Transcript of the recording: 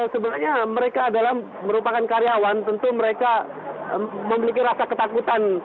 sebenarnya mereka adalah merupakan karyawan tentu mereka memiliki rasa ketakutan